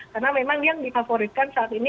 karena memang yang difavoritkan saat ini